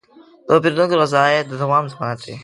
د پیرودونکي رضایت د دوام ضمانت دی.